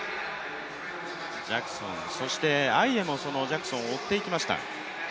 ジャクソン、そしてアイエもそのジャクソンを追っていきました。